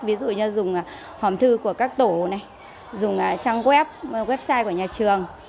ví dụ như dùng hòm thư của các tổ này dùng trang web website của nhà trường